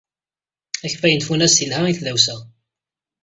Akeffay n tfunast yelha i tdawsa.